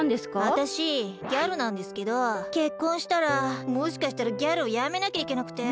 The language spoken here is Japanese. あたしギャルなんですけど結婚したらもしかしたらギャルをやめなきゃいけなくて。